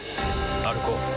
歩こう。